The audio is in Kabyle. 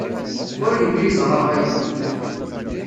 Ur yelli yeẓra aya.